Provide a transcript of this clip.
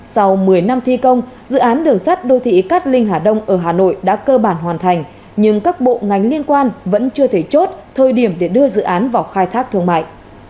sau một mươi năm thi công dự án đường sắt đô thị cát linh hà đông ở hà nội đã cơ bản hoàn thành nhưng các bộ ngành liên quan vẫn chưa thể chốt thời điểm để đưa dự án vào khai thác thương mại